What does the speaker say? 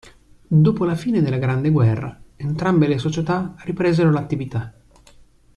Dopo la fine della Grande Guerra entrambe le società ripresero l'attività.